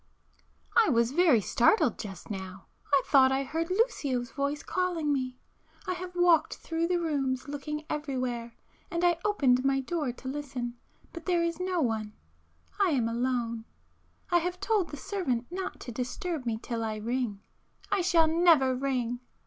····· I was very startled just now. I thought I heard Lucio's voice calling me. I have walked through the rooms looking everywhere, and I opened my door to listen, but there is no one. I am alone. I have told the servant not to disturb me till I ring; ... I shall never ring!